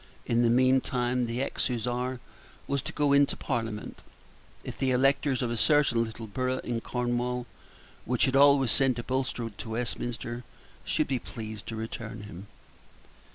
In the meantime the ex Hussar was to go into Parliament, if the electors of a certain little borough in Cornwall, which had always sent a Bulstrode to Westminster, should be pleased to return him.